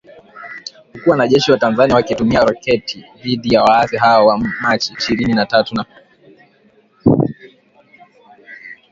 huku wanajeshi wa Tanzania wakitumia roketi dhidi ya waasi hao wa Machi ishirini na tatu na